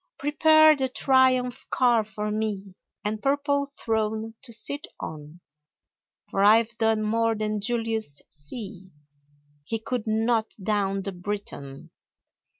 Prepare the triumph car for me And purple throne to sit on, For I've done more than Julius C. He could not down the Briton!